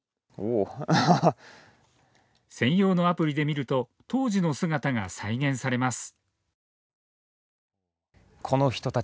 専用のアプリで見ると当時の姿が再現されます。